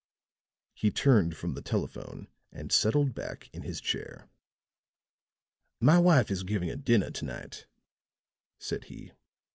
He turned from the telephone and settled back in his chair. "My wife is giving a dinner to night," said he.